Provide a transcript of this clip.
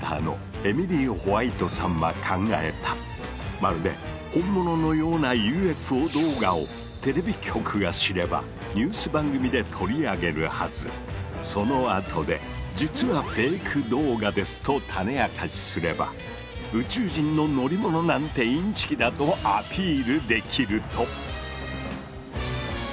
まるで本物のようなＵＦＯ動画をテレビ局が知ればそのあとで「実はフェイク動画です」と種明かしすれば宇宙人の乗り物なんてインチキだとアピールできると。